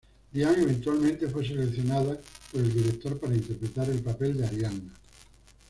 Diane eventualmente fue seleccionada por el director para interpretar el papel de Arianna.